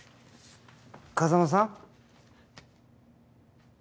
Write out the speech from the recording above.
風真さん。